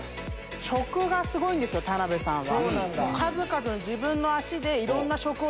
食がすごいんですよ田辺さんは。